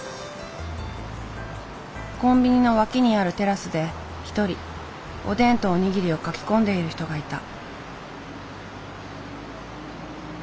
コンビニの脇にあるテラスで一人おでんとお握りをかき込んでいる人がいた。